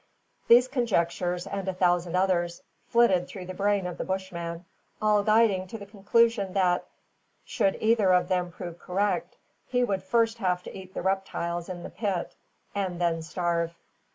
These conjectures, and a thousand others, flitted through the brain of the Bushman, all guiding to the conclusion that, should either of them prove correct, he would first have to eat the reptiles in the pit, and then starve.